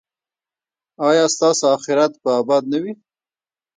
ایا ستاسو اخرت به اباد نه وي؟